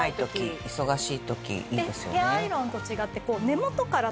ヘアアイロンと違って。